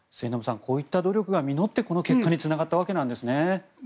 こういった努力が実ってこの結果につながったわけですね。